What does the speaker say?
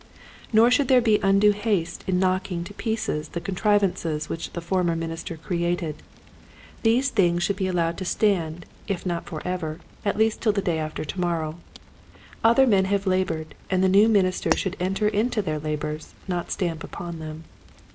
Nor should there be undue haste in knocking to pieces the contrivances which the former minister created. These things should be allowed to stand, if not for 38 Quiet Hints to Growing Preachers. ever, at least till day after to morrow. Other men have labored and the new minister should enter into their labors, not stamp upon them.